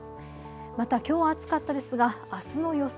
またきょうは暑かったですがあすの予想